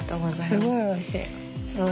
すごいおいしい。